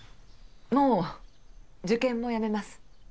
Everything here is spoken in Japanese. もう受験もやめます